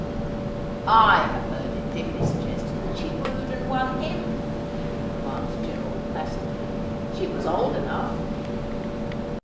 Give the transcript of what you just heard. ' I have heard it dimly suggested that she wooed and won him,' remarked Gerald placidly ;' she was old enough.'